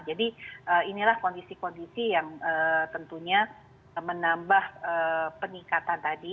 jadi inilah kondisi kondisi yang tentunya menambah peningkatan tadi